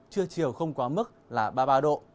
trưa chiều không quá mức là ba mươi ba độ